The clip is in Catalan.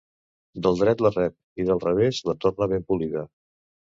Del dret la rep i del revés la torna ben polida.